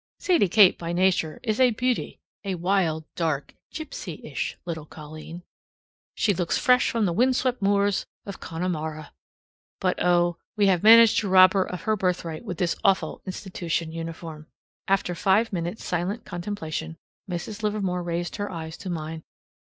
Sadie Kate by nature is a beauty, a wild, dark, Gypsyish little colleen. She looks fresh from the wind swept moors of Connemara. But, oh, we have managed to rob her of her birthright with this awful institution uniform! After five minutes' silent contemplation, Mrs. Livermore raised her eyes to mine.